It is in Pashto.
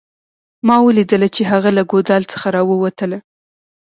ما ولیدله چې هغه له ګودال څخه راووتله